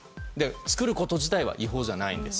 作ること自体は違法じゃないんです。